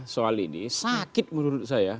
soal ini sakit menurut saya